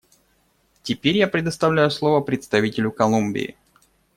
Теперь я предоставляю слово представителю Колумбии.